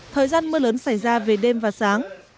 thời gian mưa lớn xảy ra về đêm và sáng